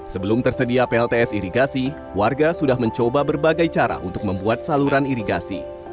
sebelum tersedia plts irigasi warga sudah mencoba berbagai cara untuk membuat saluran irigasi